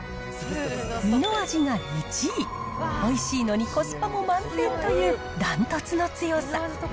身の味が１位、おいしいのにコスパも満点という、断トツの強さ。